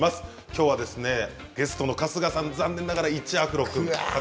きょうはゲストの春日さん残念ながら１アフロ君。